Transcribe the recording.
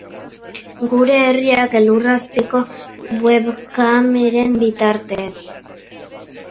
Gure herriak elur azpiko webkameren bitartez.